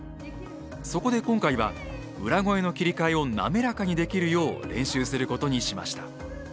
そこで今回は裏声の切り替えを滑らかにできるよう練習することにしました。